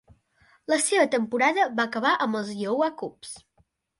La seva temporada va acabar amb els Iowa Cubs.